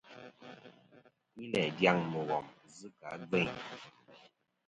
Yi læ dyaŋ mùghom zɨ kɨ̀ a gveyn.